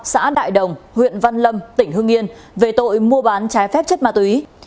xã đại đồng huyện văn lâm tỉnh hương yên về tội mua bán trái phép chất ma túy